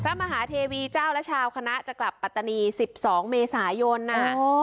มหาเทวีเจ้าและชาวคณะจะกลับปัตตานี๑๒เมษายน